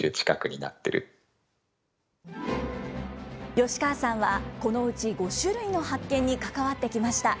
吉川さんは、このうち５種類の発見に関わってきました。